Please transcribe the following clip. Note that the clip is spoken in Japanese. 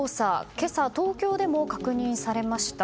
今朝、東京でも確認されました。